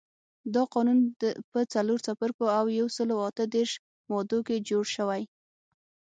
دا قانون په څلورو څپرکو او یو سلو اته دیرش مادو کې جوړ شوی.